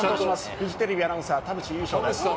フジテレビアナウンサーの田淵裕章です。